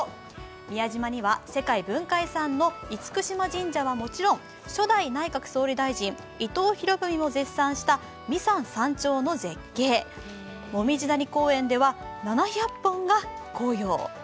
宮島には世界文化遺産の厳島神社はもちろん、初代内閣総理大臣伊藤博文も絶賛した弥山山頂の絶景紅葉谷公園では７００本が紅葉。